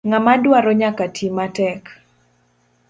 Ng'ama dwaro nyaka ti matek.